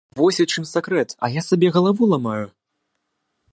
Вось у чым сакрэт, а я сабе галаву ламаю.